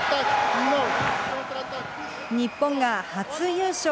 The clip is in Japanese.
日本が初優勝。